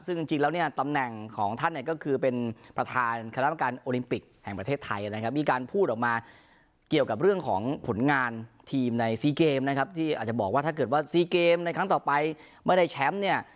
ซึ่งจริงแล้วเนี่ยตำแหน่งของท่านเนี่ยก็คือเป็นประธานคณะประการโอลิมปิกแห่งประเทศไทยนะครับมีการพูดออกมาเกี่ยวกับเรื่องของผลงานทีมในซีเกมนะครับที่อาจจะบอกว่าถ้าเกิดว่าซีเกมในครั้งต่อไปไม่ได้แชมป์เนี่ย